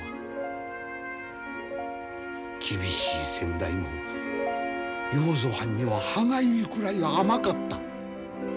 厳しい先代も要造はんには歯がゆいくらい甘かった。